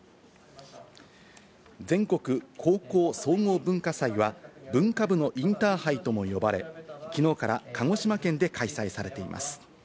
全国高校総合文化祭は文化部のインターハイとも呼ばれ、きのうから鹿児島県で開催されています。